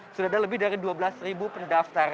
sudah ada lebih dari dua belas ribu pendaftar